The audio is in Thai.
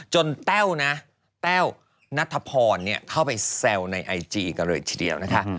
แต้วนะแต้วนัทพรเข้าไปแซวในไอจีกันเลยทีเดียวนะคะ